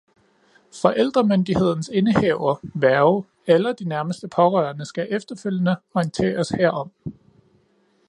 Forældremyndighedens indehaver, værge eller de nærmeste pårørende skal efterfølgende orienteres herom.